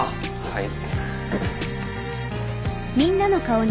はい。